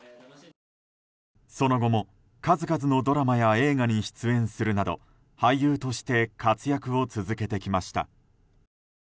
その後も数々のドラマや映画に出演するなど俳優として活躍を続けてきました。